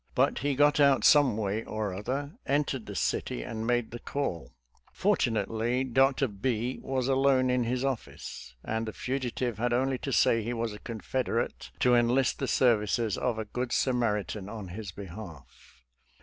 But he got out some way or other, entered the city, and made the call. Fortu nately, Dr. B was alone in his office, and the fugitiverhad only to say he was a Confeder ate,! to enlist the services of a good Samaritan in his behalf.